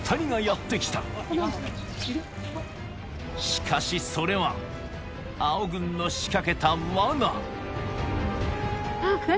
しかしそれは青軍の仕掛けた罠何？